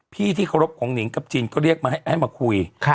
ที่เคารพของหนิงกับจีนก็เรียกมาให้มาคุย